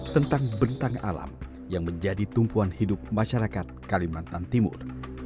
tentang bentang alam yang menjadi tumpuan hidup masyarakat kalimantan timur